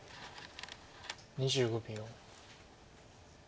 ２５秒。